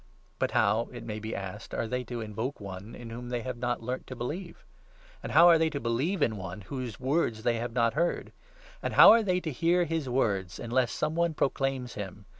But how, it may be asked, are they to invoke one 14 in whom they have not learnt to believe ? And how are they to believe in one whose words they have not heard ? And how are they to hear his words unless some one proclaims him